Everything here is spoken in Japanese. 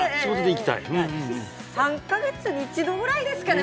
３カ月に一度ぐらいですかね